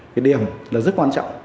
cái điểm là rất quan trọng